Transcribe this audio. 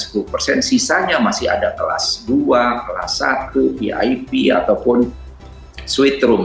dan sisanya masih ada kelas dua kelas satu vip ataupun suite room